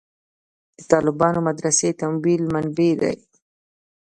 د طالبانو مدرسې تمویل منبعې دي.